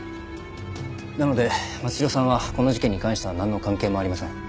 なので松代さんはこの事件に関してはなんの関係もありません。